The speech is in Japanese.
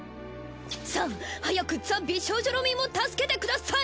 さぁ早くザ・美少女ロミンを助けてください！